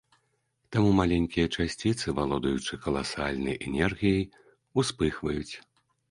Таму маленькія часціцы, валодаючы каласальнай энергіяй, успыхваюць.